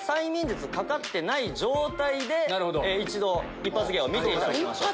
一発芸を見ていただきましょう。